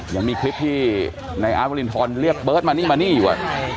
ยังมีคลิปที่ในอาร์ตวรินทรเรียกเบิร์ตมานี่มานี่อยู่